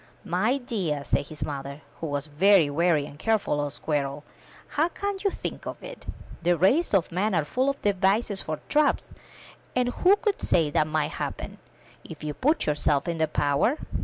My dear," said his mother, who was a very wary and careful old squirrel, *'how can you think of it? The race of man are full of devices for traps, and who could say what might happen, if you put yourself in their power?